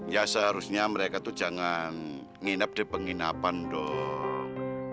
ya seharusnya mereka tuh jangan nginep di penginapan dong